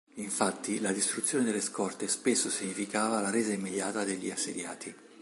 Infatti la distruzione delle scorte spesso significava la resa immediata degli assediati.